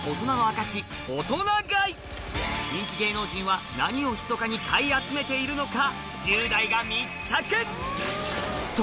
人気芸能人は何をひそかに買い集めているのか